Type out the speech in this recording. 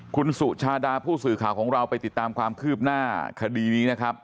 คุณสุชาดาผู้สื่อข่าวของเราไปติดตามความคืบหน้าคดีนี้นะครับ